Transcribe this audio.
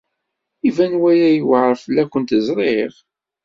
Iban waya yewɛeṛ fell-awent, ẓriɣ.